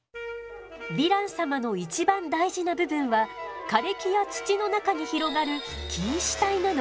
ヴィラン様の一番大事な部分は枯れ木や土の中に広がる菌糸体なの。